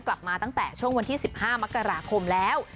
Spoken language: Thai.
กลับมาตั้งแต่ช่วงวันที่๑๕มกราคมแล้ว